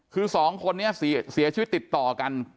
คือสองคนนี้เสียชีวิตติดต่อกัน